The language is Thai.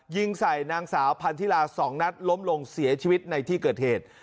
ยิงใส่นางสาวพันธิลา๒นัดล้มลงเสียชีวิตในที่เกิดเหตุ